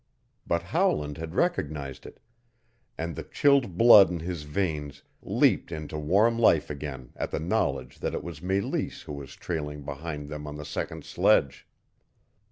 But Howland had recognized it, and the chilled blood in his veins leaped into warm life again at the knowledge that it was Meleese who was trailing behind them on the second sledge!